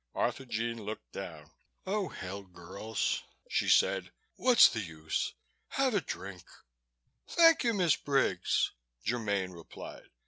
Arthurjean looked down. "Oh, hell, girls," she said, "What's the use? Have a drink!" "Thank you, Miss Briggs," Germaine replied.